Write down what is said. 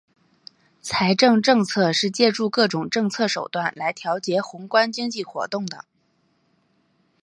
财政政策是借助各种政策手段来调节宏观经济活动的。